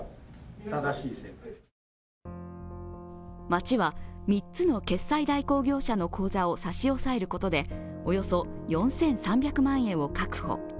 町は３つの決済代行業者の口座を差し押さえることでおよそ４３００万円を確保。